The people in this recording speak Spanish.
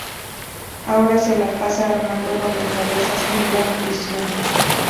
Ahora se la pasa armando rompecabezas en la prisión.